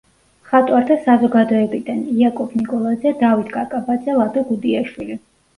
მხატვართა საზოგადოებიდან: იაკობ ნიკოლაძე, დავით კაკაბაძე, ლადო გუდიაშვილი.